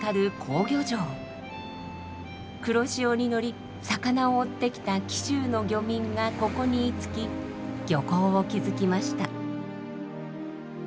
黒潮に乗り魚を追ってきた紀州の漁民がここに居つき漁港を築きました。